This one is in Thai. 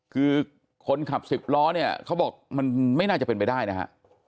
คือคนขับสิบล้อเนี่ยเขาบอกมันไม่น่าจะเป็นไปได้นะฮะ